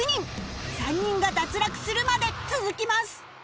３人が脱落するまで続きます